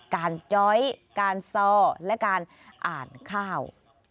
จ้อยการซ่อและการอ่านข้าว